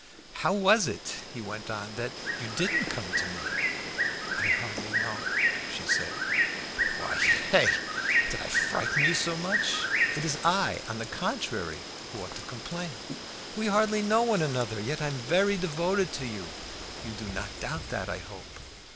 "How was it," he went on, "that you didn't come to me?" "I hardly know," she said. "Why, hey? Did I frighten you so much? It is I, on the contrary, who ought to complain. We hardly know one another; yet I am very devoted to you. You do not doubt that, I hope?"